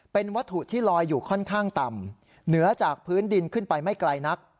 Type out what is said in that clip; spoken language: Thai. เป็นวัตถุที่ลอยอยู่ค่อนข้างต่ำเหนือจากพื้นดินขึ้นไปไม่ไกลนัก